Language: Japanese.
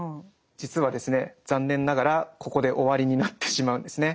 実はですね残念ながらここで終わりになってしまうんですね。